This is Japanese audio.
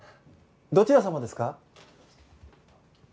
どちら様ですか？